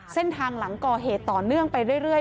เส้นทางหลังก่อเหตุต่อเนื่องไปเรื่อย